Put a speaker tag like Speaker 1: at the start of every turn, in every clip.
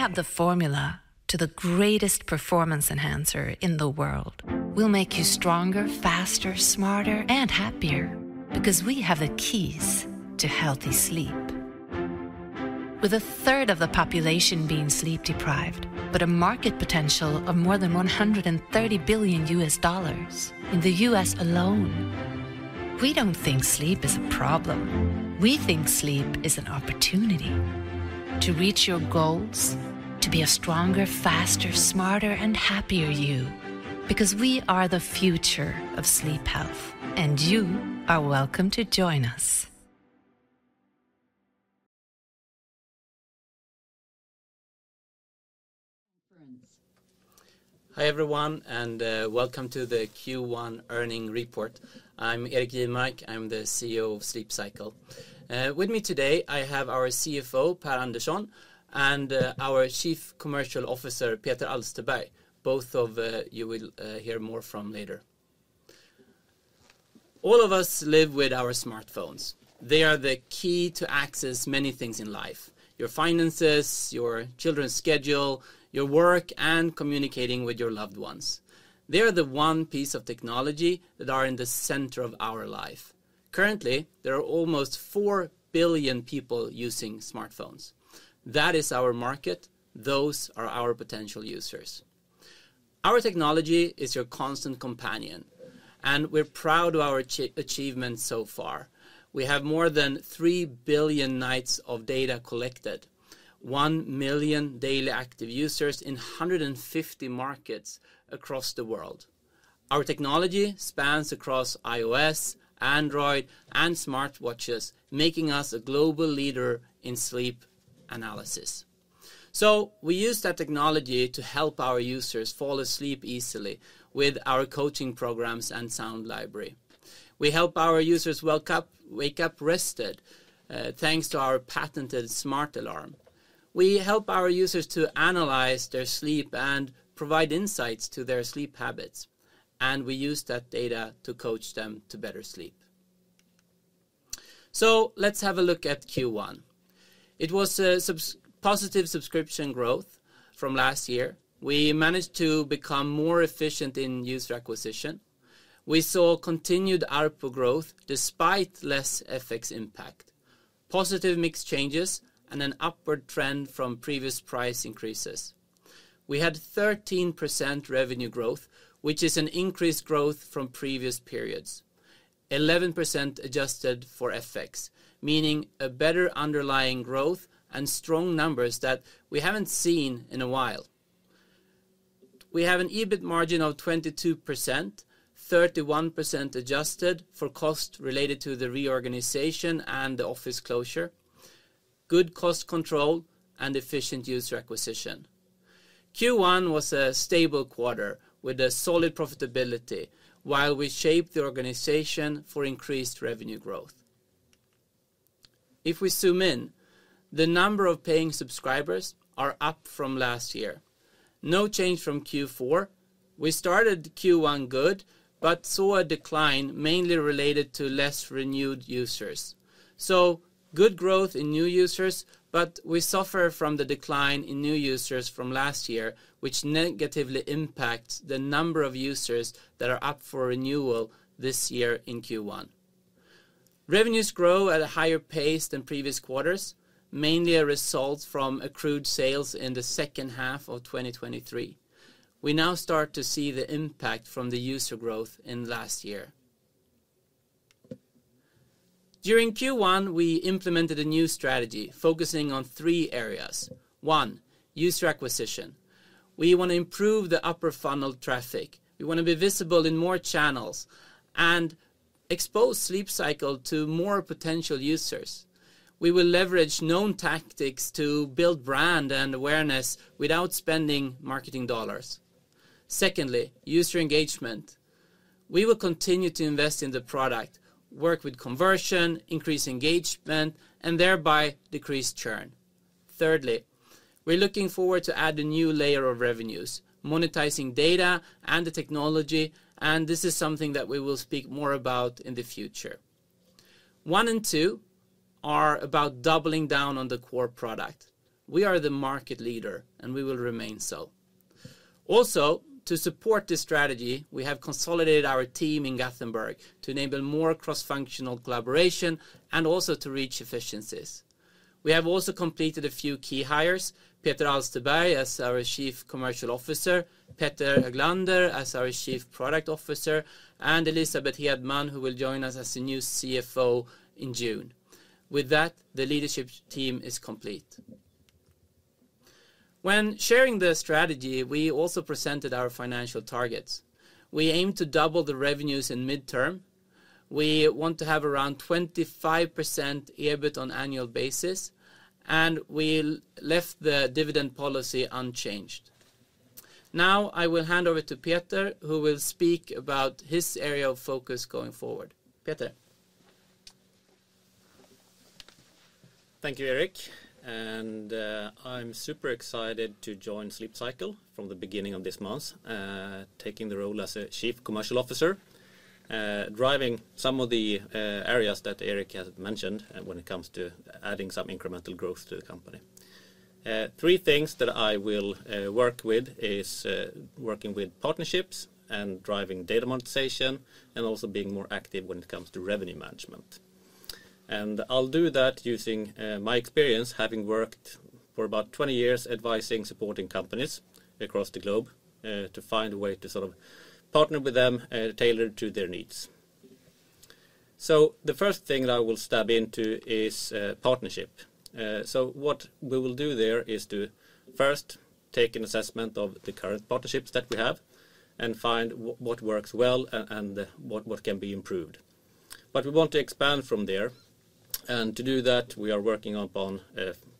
Speaker 1: We have the formula to the greatest performance enhancer in the world. We'll make you stronger, faster, smarter, and happier, because we have the keys to healthy sleep. With a third of the population being sleep-deprived, but a market potential of more than $130 billion in the US alone, we don't think sleep is a problem. We think sleep is an opportunity to reach your goals, to be a stronger, faster, smarter, and happier you, because we are the future of sleep health, and you are welcome to join us.
Speaker 2: Hi, everyone, and welcome to the Q1 earnings report. I'm Erik Jivmark. I'm the CEO of Sleep Cycle. With me today, I have our CFO, Per Andersson, and our Chief Commercial Officer, Peter Alsterberg. Both of you will hear more from later. All of us live with our smartphones. They are the key to access many things in life: your finances, your children's schedule, your work, and communicating with your loved ones. They are the one piece of technology that are in the center of our life. Currently, there are almost 4 billion people using smartphones. That is our market. Those are our potential users. Our technology is your constant companion, and we're proud of our achievement so far. We have more than 3 billion nights of data collected, 1 million daily active users in 150 markets across the world. Our technology spans across iOS, Android, and smartwatches, making us a global leader in sleep analysis. So we use that technology to help our users fall asleep easily with our coaching programs and sound library. We help our users wake up rested, thanks to our patented Smart Alarm. We help our users to analyze their sleep and provide insights to their sleep habits, and we use that data to coach them to better sleep. So let's have a look at Q1. It was positive subscription growth from last year. We managed to become more efficient in user acquisition. We saw continued ARPU growth despite less FX impact, positive mix changes, and an upward trend from previous price increases. We had 13% revenue growth, which is an increased growth from previous periods. 11% adjusted for FX, meaning a better underlying growth and strong numbers that we haven't seen in a while. We have an EBIT margin of 22%, 31% adjusted for cost related to the reorganization and the office closure, good cost control, and efficient user acquisition. Q1 was a stable quarter with a solid profitability, while we shaped the organization for increased revenue growth. If we zoom in, the number of paying subscribers are up from last year. No change from Q4. We started Q1 good, but saw a decline mainly related to less renewed users. So good growth in new users, but we suffer from the decline in new users from last year, which negatively impacts the number of users that are up for renewal this year in Q1. Revenues grow at a higher pace than previous quarters, mainly a result from accrued sales in the second half of 2023. We now start to see the impact from the user growth in last year. During Q1, we implemented a new strategy focusing on three areas. One, user acquisition. We want to improve the upper funnel traffic. We want to be visible in more channels and expose Sleep Cycle to more potential users. We will leverage known tactics to build brand and awareness without spending marketing dollars. Secondly, user engagement. We will continue to invest in the product, work with conversion, increase engagement, and thereby decrease churn. Thirdly, we're looking forward to add a new layer of revenues, monetizing data and the technology, and this is something that we will speak more about in the future. One and two are about doubling down on the core product. We are the market leader, and we will remain so. Also, to support this strategy, we have consolidated our team in Gothenburg to enable more cross-functional collaboration and also to reach efficiencies. We have also completed a few key hires, Peter Alsterberg as our Chief Commercial Officer, Petter Höglander as our Chief Product Officer, and Elisabeth Hedman, who will join us as the new CFO in June. With that, the leadership team is complete. When sharing the strategy, we also presented our financial targets. We aim to double the revenues in mid-term. We want to have around 25% EBIT on annual basis, and we left the dividend policy unchanged. Now, I will hand over to Peter, who will speak about his area of focus going forward. Peter?
Speaker 3: Thank you, Erik, and, I'm super excited to join Sleep Cycle from the beginning of this month, taking the role as Chief Commercial Officer, driving some of the areas that Erik has mentioned, when it comes to adding some incremental growth to the company. Three things that I will work with is, working with partnerships and driving data monetization, and also being more active when it comes to revenue management. And I'll do that using, my experience, having worked for about 20 years, advising, supporting companies across the globe, to find a way to sort of partner with them, tailored to their needs. So the first thing that I will step into is, partnership. So what we will do there is to first take an assessment of the current partnerships that we have, and find what works well and what can be improved. But we want to expand from there, and to do that, we are working upon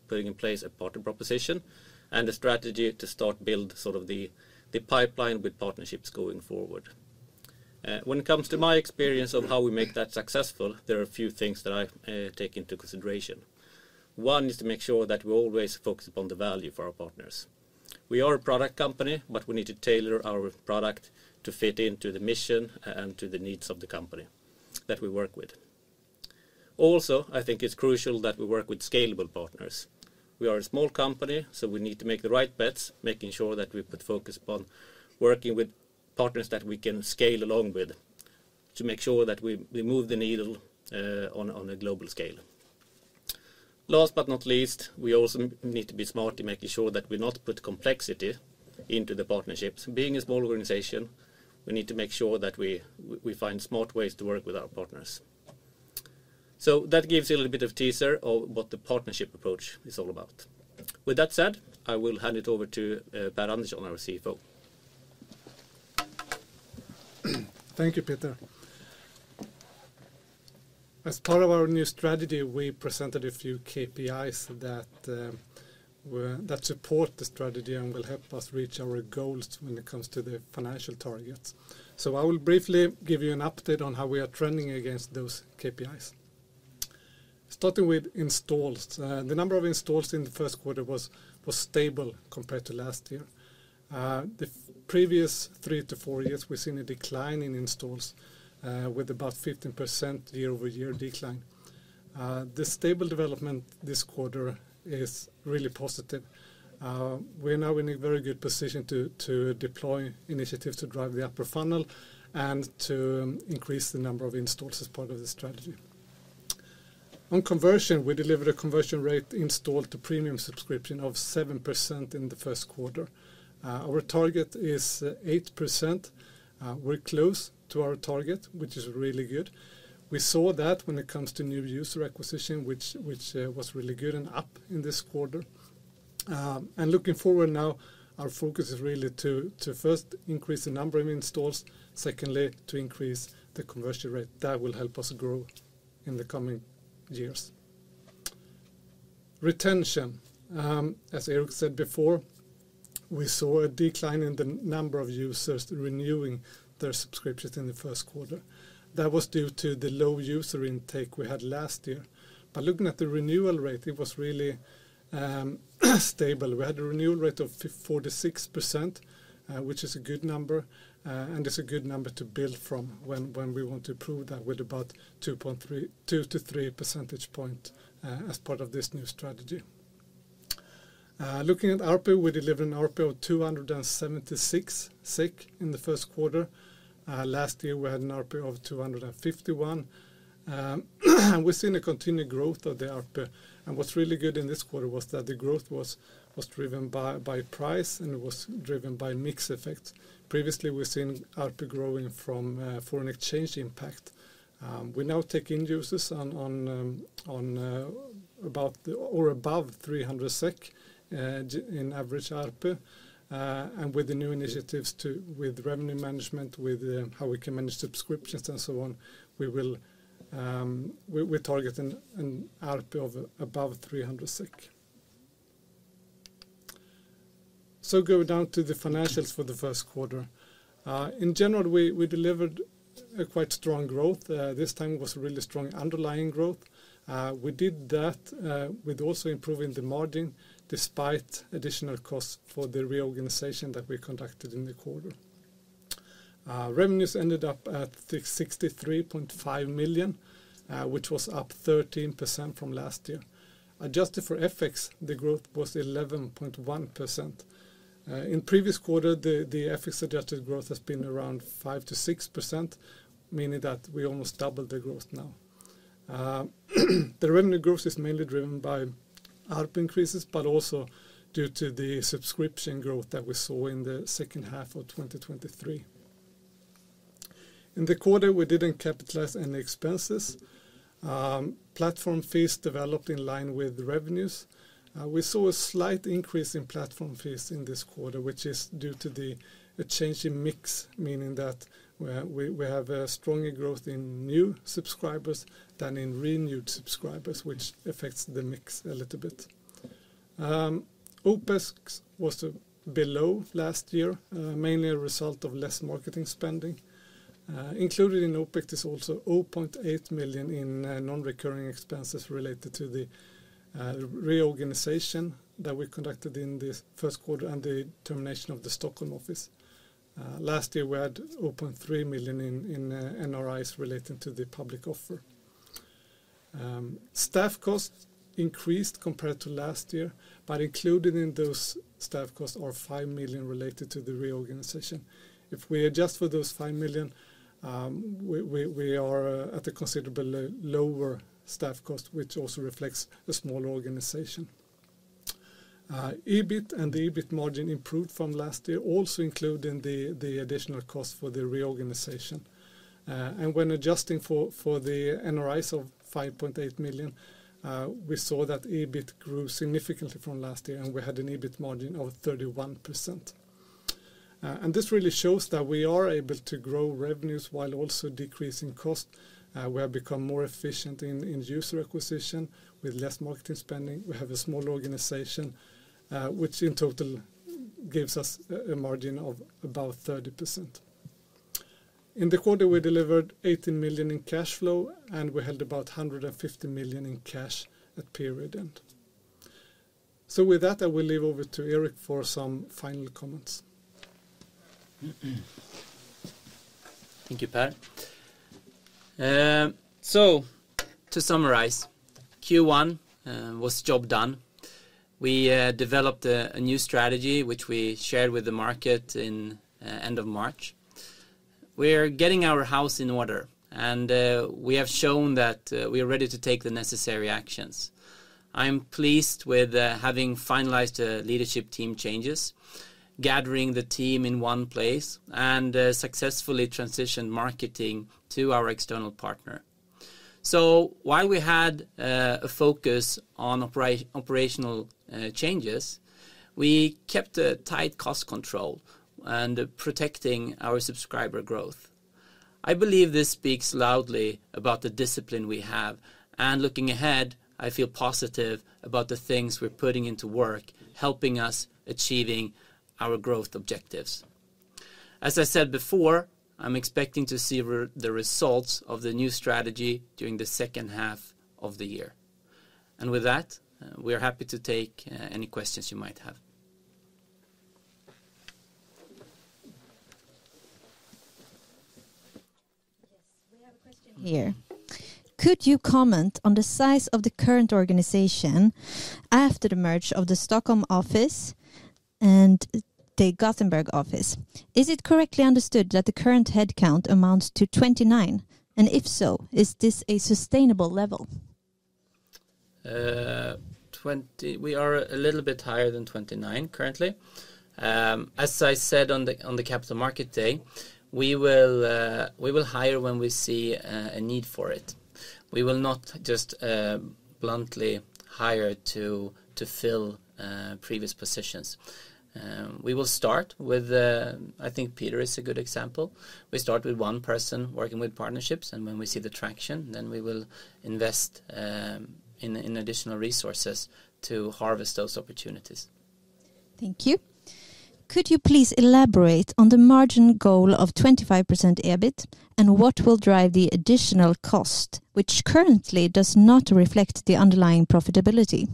Speaker 3: putting in place a partner proposition and a strategy to start build sort of the pipeline with partnerships going forward. When it comes to my experience of how we make that successful, there are a few things that I take into consideration. One, is to make sure that we always focus upon the value for our partners. We are a product company, but we need to tailor our product to fit into the mission and to the needs of the company that we work with. Also, I think it's crucial that we work with scalable partners. We are a small company, so we need to make the right bets, making sure that we put focus upon working with partners that we can scale along with, to make sure that we move the needle on a global scale. Last but not least, we also need to be smart in making sure that we not put complexity into the partnerships. Being a small organization, we need to make sure that we find smart ways to work with our partners. So that gives you a little bit of teaser of what the partnership approach is all about. With that said, I will hand it over to Per Andersson, our CFO.
Speaker 4: Thank you, Peter. As part of our new strategy, we presented a few KPIs that support the strategy and will help us reach our goals when it comes to the financial targets. So I will briefly give you an update on how we are trending against those KPIs. Starting with installs, the number of installs in the first quarter was stable compared to last year. The previous 3-4 years, we've seen a decline in installs with about 15% year-over-year decline. The stable development this quarter is really positive. We are now in a very good position to deploy initiatives to drive the upper funnel and to increase the number of installs as part of the strategy. On conversion, we delivered a conversion rate installed to premium subscription of 7% in the first quarter. Our target is eight percent. We're close to our target, which is really good. We saw that when it comes to new user acquisition was really good and up in this quarter. And looking forward now, our focus is really to first increase the number of installs, secondly, to increase the conversion rate. That will help us grow in the coming years. Retention, as Erik said before, we saw a decline in the number of users renewing their subscriptions in the first quarter. That was due to the low user intake we had last year. But looking at the renewal rate, it was really stable. We had a renewal rate of 46%, which is a good number, and it's a good number to build from when we want to improve that with about 2-3 percentage points as part of this new strategy. Looking at ARPU, we delivered an ARPU of 276 SEK in the first quarter. Last year, we had an ARPU of 251 SEK. We've seen a continued growth of the ARPU, and what's really good in this quarter was that the growth was driven by price, and it was driven by mix effect. Previously, we've seen ARPU growing from foreign exchange impact. We're now taking users on, on, about the... Or above 300 SEK just an average ARPU, and with the new initiatives with revenue management, with how we can manage subscriptions, and so on, we will, we're targeting an ARPU of above 300 SEK. So going down to the financials for the first quarter, in general, we delivered a quite strong growth. This time was really strong underlying growth. We did that with also improving the margin, despite additional costs for the reorganization that we conducted in the quarter. Revenues ended up at 63.5 million, which was up 13% from last year. Adjusted for FX, the growth was 11.1%. In previous quarter, the FX-adjusted growth has been around 5%-6%, meaning that we almost doubled the growth now. The revenue growth is mainly driven by ARPU increases, but also due to the subscription growth that we saw in the second half of 2023. In the quarter, we didn't capitalize any expenses. Platform fees developed in line with revenues. We saw a slight increase in platform fees in this quarter, which is due to the change in mix, meaning that we have a stronger growth in new subscribers than in renewed subscribers, which affects the mix a little bit. OPEX was below last year, mainly a result of less marketing spending. Included in OPEX is also 0.8 million in non-recurring expenses related to the reorganization that we conducted in the first quarter and the termination of the Stockholm office. Last year, we had 0.3 million in NRIs related to the public offer. Staff costs increased compared to last year, but included in those staff costs are 5 million related to the reorganization. If we adjust for those 5 million, we are at a considerably lower staff cost, which also reflects the small organization. EBIT and the EBIT margin improved from last year, also including the additional cost for the reorganization. When adjusting for the NRIs of 5.8 million, we saw that EBIT grew significantly from last year, and we had an EBIT margin of 31%. This really shows that we are able to grow revenues while also decreasing cost. We have become more efficient in user acquisition with less marketing spending. We have a small organization, which in total gives us a margin of about 30%. In the quarter, we delivered 18 million in cash flow, and we had about 150 million in cash at period end. So with that, I will leave over to Erik for some final comments.
Speaker 2: Thank you, Per. So to summarize, Q1 was job done. We developed a new strategy, which we shared with the market in end of March. We are getting our house in order, and we have shown that we are ready to take the necessary actions. I'm pleased with having finalized leadership team changes, gathering the team in one place, and successfully transitioned marketing to our external partner. So while we had a focus on operational changes, we kept a tight cost control and protecting our subscriber growth. I believe this speaks loudly about the discipline we have, and looking ahead, I feel positive about the things we're putting into work, helping us achieving our growth objectives. As I said before, I'm expecting to see the results of the new strategy during the second half of the year. With that, we are happy to take any questions you might have.
Speaker 5: Yes, we have a question here. Could you comment on the size of the current organization after the merge of the Stockholm office and the Gothenburg office? Is it correctly understood that the current headcount amounts to 29? And if so, is this a sustainable level?
Speaker 2: We are a little bit higher than 29 currently. As I said on the Capital Markets Day, we will hire when we see a need for it. We will not just bluntly hire to fill previous positions. We will start with, I think Peter is a good example. We start with one person working with partnerships, and when we see the traction, then we will invest in additional resources to harvest those opportunities.
Speaker 5: Thank you. Could you please elaborate on the margin goal of 25% EBIT, and what will drive the additional cost, which currently does not reflect the underlying profitability?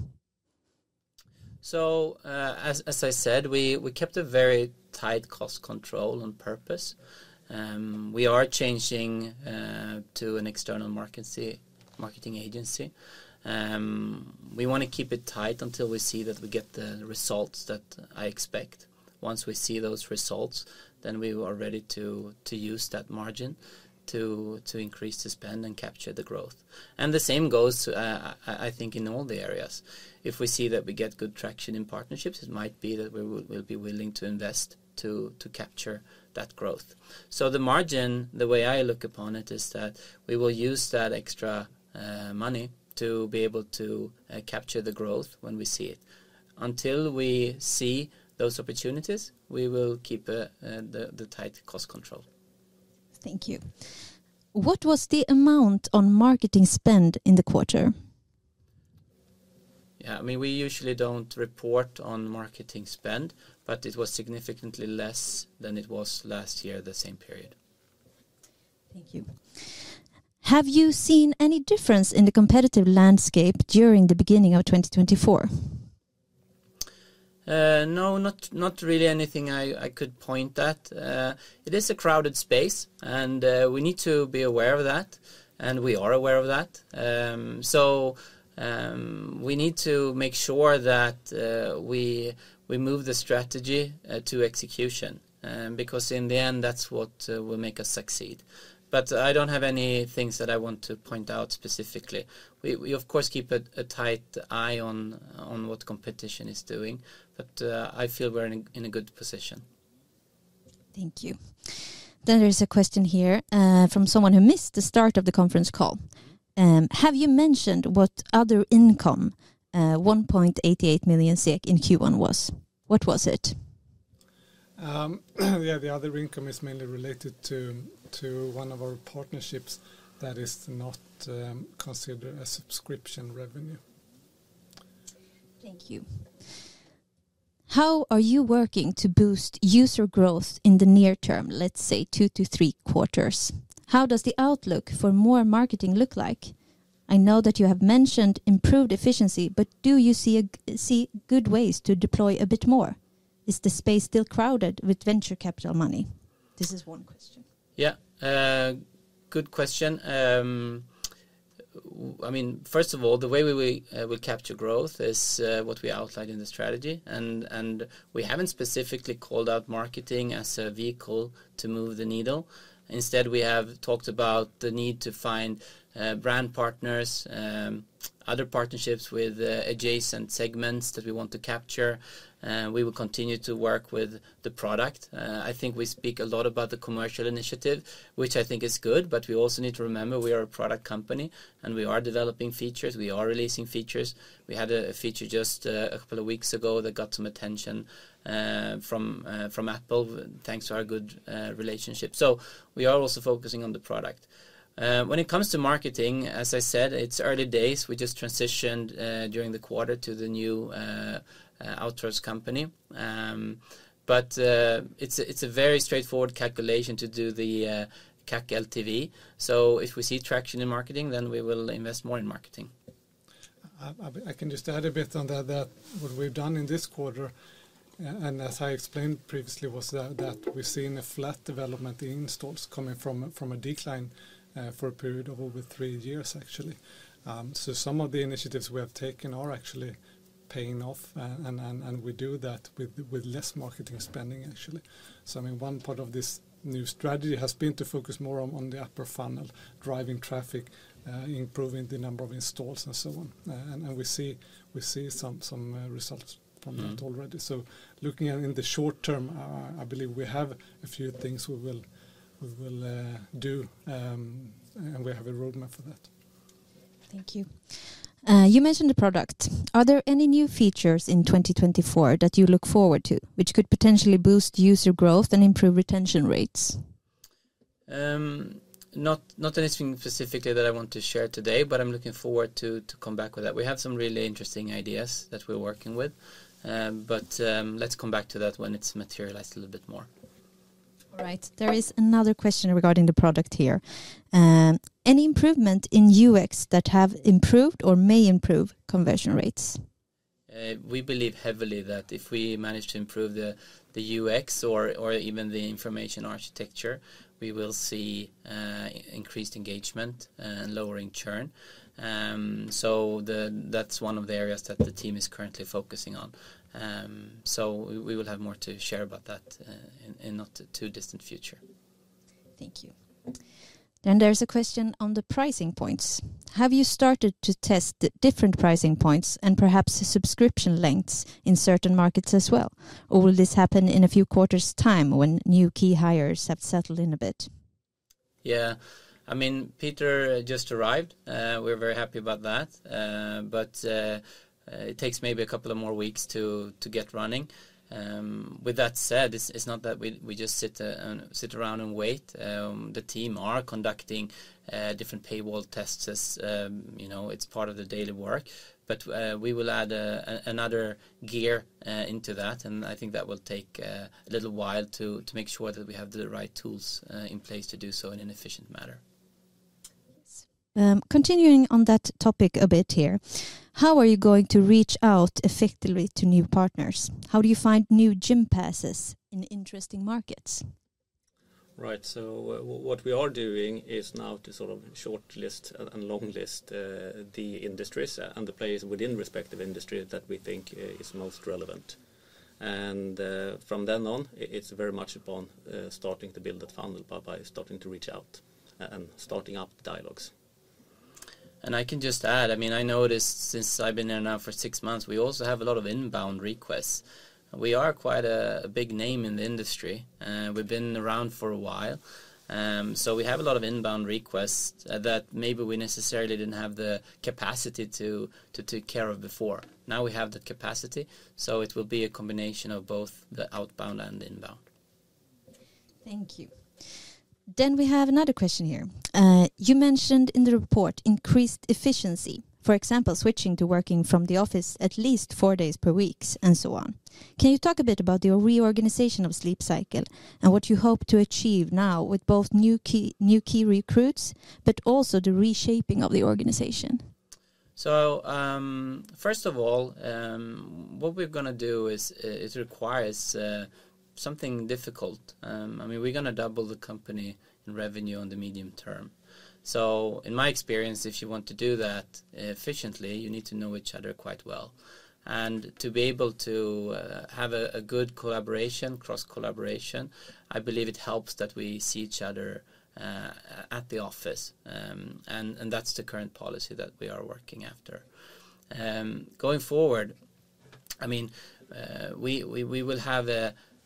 Speaker 2: So, as I said, we kept a very tight cost control on purpose. We are changing to an external marketing agency. We want to keep it tight until we see that we get the results that I expect. Once we see those results, then we are ready to use that margin to increase the spend and capture the growth. And the same goes to, I think, in all the areas. If we see that we get good traction in partnerships, it might be that we will be willing to invest to capture that growth. So the margin, the way I look upon it, is that we will use that extra money to be able to capture the growth when we see it. Until we see those opportunities, we will keep the tight cost control.
Speaker 5: Thank you. What was the amount on marketing spend in the quarter?
Speaker 2: Yeah, I mean, we usually don't report on marketing spend, but it was significantly less than it was last year, the same period.
Speaker 5: Thank you. Have you seen any difference in the competitive landscape during the beginning of 2024?
Speaker 2: No, not really anything I could point at. It is a crowded space, and we need to be aware of that, and we are aware of that. So, we need to make sure that we move the strategy to execution, because in the end, that's what will make us succeed. But I don't have any things that I want to point out specifically. We, of course, keep a tight eye on what competition is doing, but I feel we're in a good position.
Speaker 5: Thank you. Then there is a question here, from someone who missed the start of the conference call. Have you mentioned what other income, 1.88 million SEK in Q1 was? What was it?
Speaker 4: Yeah, the other income is mainly related to one of our partnerships that is not considered a subscription revenue.
Speaker 5: Thank you. How are you working to boost user growth in the near term, let's say 2-3 quarters? How does the outlook for more marketing look like? I know that you have mentioned improved efficiency, but do you see good ways to deploy a bit more?... Is the space still crowded with venture capital money? This is one question.
Speaker 2: Yeah, good question. I mean, first of all, the way we will capture growth is what we outlined in the strategy, and we haven't specifically called out marketing as a vehicle to move the needle. Instead, we have talked about the need to find brand partners, other partnerships with adjacent segments that we want to capture, we will continue to work with the product. I think we speak a lot about the commercial initiative, which I think is good, but we also need to remember we are a product company, and we are developing features, we are releasing features. We had a feature just a couple of weeks ago that got some attention from Apple, thanks to our good relationship. So we are also focusing on the product. When it comes to marketing, as I said, it's early days. We just transitioned during the quarter to the new outsource company. But it's a very straightforward calculation to do the CAC LTV. So if we see traction in marketing, then we will invest more in marketing.
Speaker 4: I can just add a bit on that, that what we've done in this quarter, and as I explained previously, was that we've seen a flat development in installs coming from a decline for a period of over three years, actually. So some of the initiatives we have taken are actually paying off, and we do that with less marketing spending, actually. So I mean, one part of this new strategy has been to focus more on the upper funnel, driving traffic, improving the number of installs, and so on. And we see some results from that already.
Speaker 2: Mm.
Speaker 4: Looking at in the short term, I believe we have a few things we will do, and we have a roadmap for that.
Speaker 5: Thank you. You mentioned the product. Are there any new features in 2024 that you look forward to, which could potentially boost user growth and improve retention rates?
Speaker 2: Not anything specifically that I want to share today, but I'm looking forward to come back with that. We have some really interesting ideas that we're working with, but let's come back to that when it's materialized a little bit more.
Speaker 5: All right. There is another question regarding the product here. Any improvement in UX that have improved or may improve conversion rates?
Speaker 2: We believe heavily that if we manage to improve the UX or even the information architecture, we will see increased engagement and lowering churn. So that's one of the areas that the team is currently focusing on. So we will have more to share about that in not too distant future.
Speaker 5: Thank you. There's a question on the pricing points. Have you started to test the different pricing points and perhaps the subscription lengths in certain markets as well, or will this happen in a few quarters' time when new key hires have settled in a bit?
Speaker 2: Yeah. I mean, Peter just arrived. We're very happy about that, but it takes maybe a couple of more weeks to get running. With that said, it's not that we just sit around and wait. The team are conducting different paywall tests as you know, it's part of the daily work. But we will add another gear into that, and I think that will take a little while to make sure that we have the right tools in place to do so in an efficient manner.
Speaker 5: Continuing on that topic a bit here: How are you going to reach out effectively to new partners? How do you find new Gympasses in interesting markets?
Speaker 3: Right. So what we are doing is now to sort of short list and long list the industries and the players within respective industry that we think is most relevant. And from then on, it's very much upon starting to build that funnel by starting to reach out and starting up dialogues.
Speaker 2: I can just add, I mean, I noticed since I've been here now for six months, we also have a lot of inbound requests. We are quite a big name in the industry, we've been around for a while. So we have a lot of inbound requests that maybe we necessarily didn't have the capacity to take care of before. Now, we have the capacity, so it will be a combination of both the outbound and inbound.
Speaker 5: Thank you. Then we have another question here. You mentioned in the report increased efficiency, for example, switching to working from the office at least four days per week, and so on. Can you talk a bit about your reorganization of Sleep Cycle and what you hope to achieve now with both new key, new key recruits, but also the reshaping of the organization?
Speaker 2: So, first of all, what we're gonna do requires something difficult. I mean, we're gonna double the company and revenue on the medium term. So in my experience, if you want to do that efficiently, you need to know each other quite well. And to be able to have a good collaboration, cross-collaboration, I believe it helps that we see each other at the office. And that's the current policy that we are working after. Going forward, I mean, we will have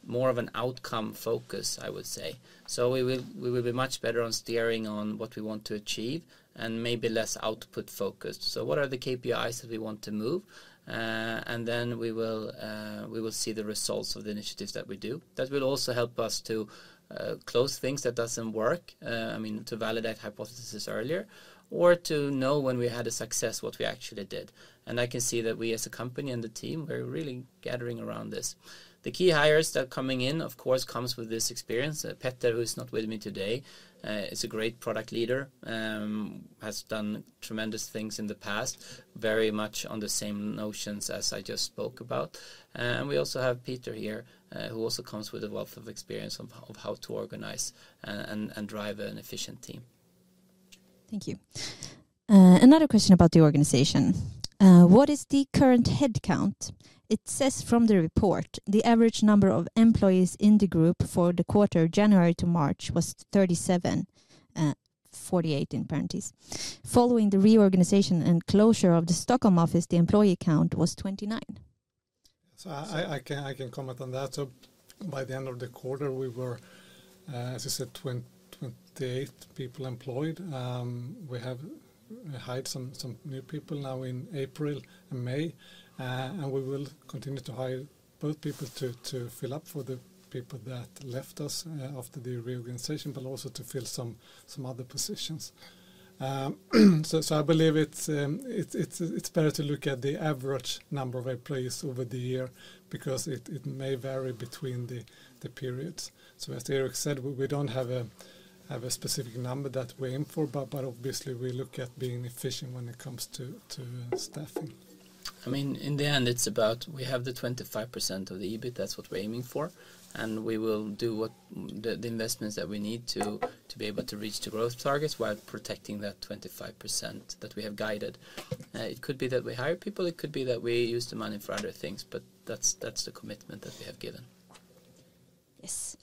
Speaker 2: more of an outcome focus, I would say. So we will be much better on steering on what we want to achieve and maybe less output focused. So what are the KPIs that we want to move? And then we will, we will see the results of the initiatives that we do. That will also help us to close things that doesn't work, I mean, to validate hypothesis earlier, or to know when we had a success, what we actually did. And I can see that we, as a company and a team, we're really gathering around this. The key hires that are coming in, of course, comes with this experience. Petter, who is not with me today, is a great product leader, has done tremendous things in the past, very much on the same notions as I just spoke about. And we also have Peter here, who also comes with a wealth of experience of how to organize and drive an efficient team.
Speaker 5: Thank you. Another question about the organization. What is the current headcount? It says from the report, the average number of employees in the group for the quarter, January to March, was 37, 48 in parentheses. Following the reorganization and closure of the Stockholm office, the employee count was 29.
Speaker 4: I can comment on that. So by the end of the quarter, we were, as I said, 28 people employed. We have hired some new people now in April and May, and we will continue to hire both people to fill up for the people that left us after the reorganization, but also to fill some other positions. So I believe it's better to look at the average number of employees over the year because it may vary between the periods. So as Erik said, we don't have a specific number that we aim for, but obviously we look at being efficient when it comes to staffing.
Speaker 2: I mean, in the end, it's about we have the 25% of the EBIT, that's what we're aiming for, and we will do what the, the investments that we need to, to be able to reach the growth targets while protecting that 25% that we have guided. It could be that we hire people, it could be that we use the money for other things, but that's, that's the commitment that we have given.
Speaker 5: Yes.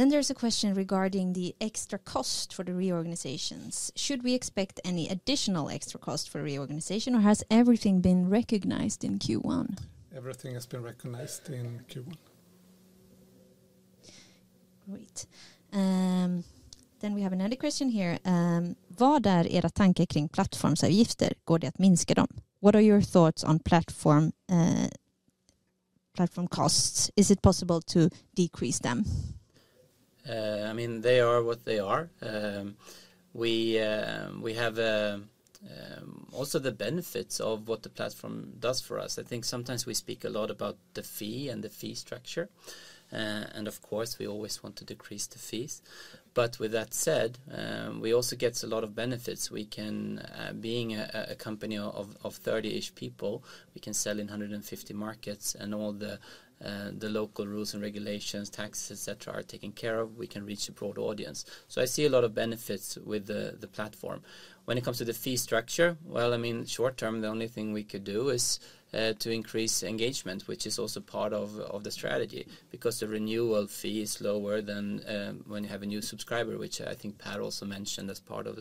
Speaker 5: Then there's a question regarding the extra cost for the reorganizations. Should we expect any additional extra cost for reorganization, or has everything been recognized in Q1?
Speaker 4: Everything has been recognized in Q1.
Speaker 5: Great. Then we have another question here: What are your thoughts on platform, platform costs? Is it possible to decrease them?
Speaker 2: I mean, they are what they are. We have also the benefits of what the platform does for us. I think sometimes we speak a lot about the fee and the fee structure, and of course, we always want to decrease the fees. But with that said, we also get a lot of benefits. We can, being a company of thirty-ish people, we can sell in 150 markets, and all the local rules and regulations, taxes, et cetera, are taken care of. We can reach a broad audience. So I see a lot of benefits with the platform. When it comes to the fee structure, well, I mean, short term, the only thing we could do is to increase engagement, which is also part of the strategy, because the renewal fee is lower than when you have a new subscriber, which I think Per also mentioned as part of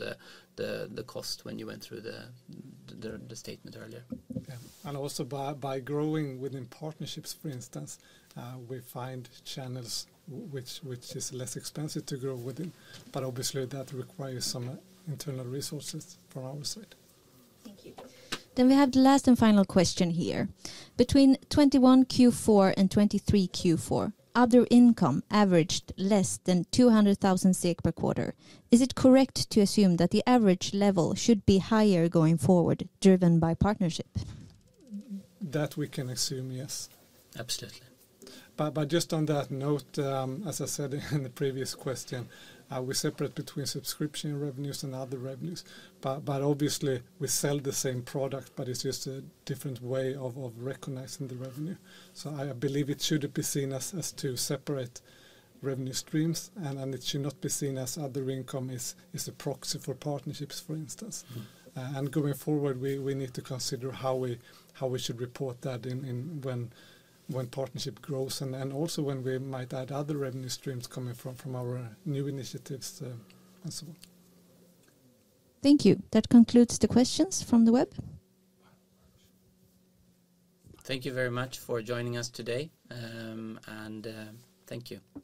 Speaker 2: the cost when you went through the statement earlier.
Speaker 4: Yeah. And also by growing within partnerships, for instance, we find channels which is less expensive to grow within, but obviously that requires some internal resources from our side.
Speaker 5: Thank you. We have the last and final question here. Between 2021 Q4 and 2023 Q4, other income averaged less than 200,000 SEK per quarter. Is it correct to assume that the average level should be higher going forward, driven by partnership?
Speaker 4: That we can assume, yes.
Speaker 2: Absolutely.
Speaker 4: But just on that note, as I said in the previous question, we separate between subscription revenues and other revenues. But obviously, we sell the same product, but it's just a different way of recognizing the revenue. So I believe it should be seen as two separate revenue streams, and it should not be seen as other income is a proxy for partnerships, for instance.
Speaker 2: Mm-hmm.
Speaker 4: And going forward, we need to consider how we should report that in when partnership grows, and also when we might add other revenue streams coming from our new initiatives, and so on.
Speaker 5: Thank you. That concludes the questions from the web.
Speaker 2: Thank you very much for joining us today, and thank you.